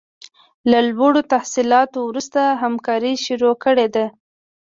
له لوړو تحصیلاتو وروسته همکاري شروع کړې ده.